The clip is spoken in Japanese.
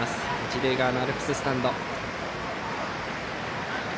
一塁側のアルプススタンド。